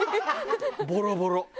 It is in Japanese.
ボロボロ。